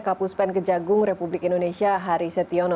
kapus pen kejagung republik indonesia hari setiono